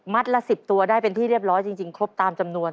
ละ๑๐ตัวได้เป็นที่เรียบร้อยจริงครบตามจำนวน